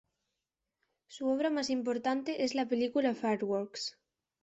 Su obra más importante es la película Fireworks.